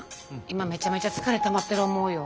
今めちゃめちゃ疲れたまってる思うよ。